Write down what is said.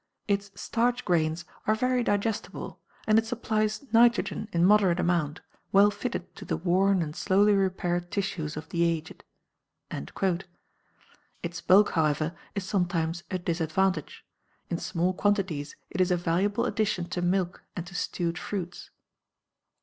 "Its starch grains are very digestible, and it supplies nitrogen in moderate amount, well fitted to the worn and slowly repaired tissues of the aged." Its bulk, however, is sometimes a disadvantage; in small quantities it is a valuable addition to milk and to stewed fruits.